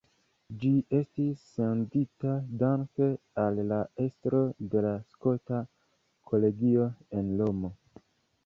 Ĝi estis sendita danke al la estro de la Skota Kolegio en Romo.